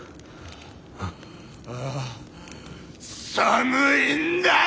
ああ寒いんだよ！